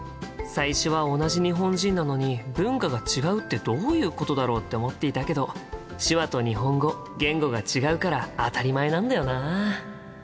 最初は同じ日本人なのに文化が違うってどういうことだろうって思っていたけど手話と日本語言語が違うから当たり前なんだよな。